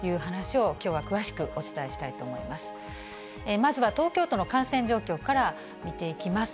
まずは、東京都の感染状況から見ていきます。